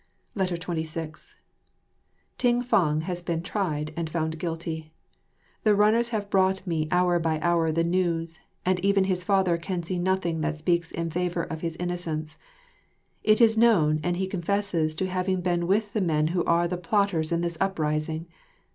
26 Ting fang has been tried and found guilty. The runners have brought me hour by hour the news; and even his father can see nothing that speaks in favour of his innocence. It is known and he confesses to having been with the men who are the plotters in this uprising.